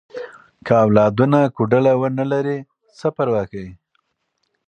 که اولادونه کوډله ونه لري، څه پروا کوي؟